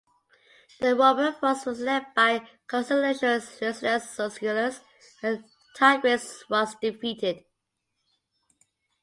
The Roman force was led by Consul Lucius Licinius Lucullus, and Tigranes was defeated.